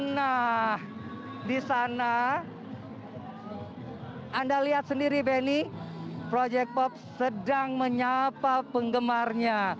nah di sana anda lihat sendiri benny project pop sedang menyapa penggemarnya